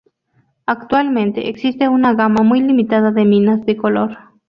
Actualmente, existe una gama muy limitada de minas de color.